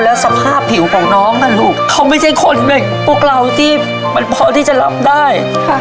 แล้วสภาพผิวของน้องน่ะลูกเขาไม่ใช่คนพวกเราที่มันพอที่จะรับได้